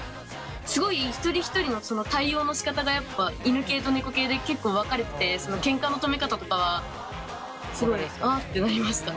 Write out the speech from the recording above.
すごい一人一人の対応のしかたがやっぱ犬系と猫系で結構分かれててケンカの止め方とかはすごい「あっ」てなりました。